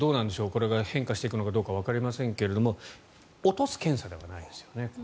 これから変化していくのかはわかりませんが落とす検査ではないんですよね。